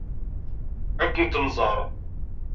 Ad kent-nẓer.